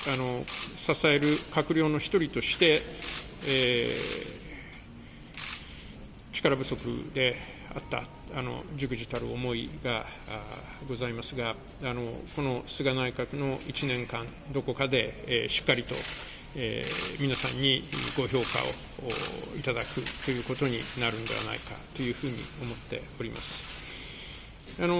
支える閣僚の一人として、力不足であった、じくじたる思いがございますが、この菅内閣の１年間、どこかで、しっかりと、皆さんにご評価をいただくということになるんではないかというふうに思っております。